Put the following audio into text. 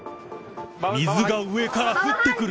水が上から降ってくる。